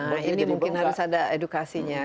nah ini mungkin harus ada edukasinya